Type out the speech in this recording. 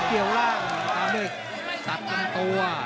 เกียวร่างตามด้วยตัดลงกลับตัว